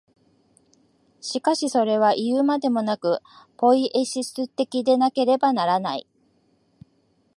しかしそれはいうまでもなく、ポイエシス的でなければならない。